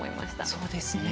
そうですね。